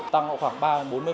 tăng khoảng ba bốn mươi